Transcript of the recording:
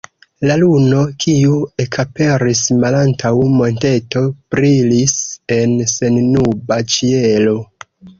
La luno, kiu ekaperis malantaŭ monteto, brilis en sennuba ĉielo.